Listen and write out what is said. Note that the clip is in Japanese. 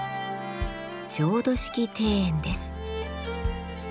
「浄土式庭園」です。